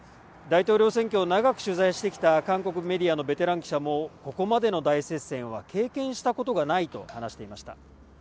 大統領選を長く取材してきた韓国メディアのベテラン記者もここまでの大接戦は経験したことがないと話していました。